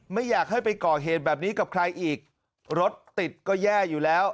ไม่อยากให้ไปก่อเหตุแบบนี้กับใครอีกรถติดก็แย่อยู่แล้ว